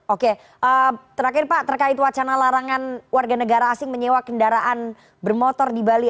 oke terakhir pak terkait wacana larangan warga negara asing menyewa kendaraan bermotor di bali